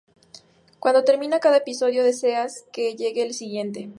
Cuando termina cada episodio, deseas que llegue el siguiente.